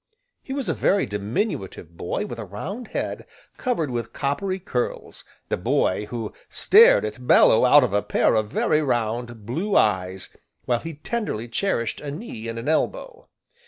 He was a very diminutive boy with a round head covered with coppery curls, a boy who stared at Bellew out of a pair of very round, blue eyes, while he tenderly cherished a knee, and an elbow.